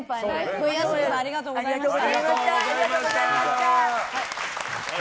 冬休みさんありがとうございました。